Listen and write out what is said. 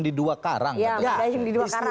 di dua karang ya mendayung di dua karang